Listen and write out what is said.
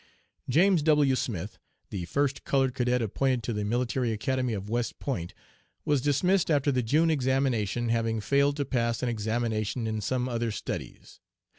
"James W. Smith, the first colored cadet appointed to the Military Academy of West Point, was dismissed after the June examination, having failed to pass an examination in some other studies.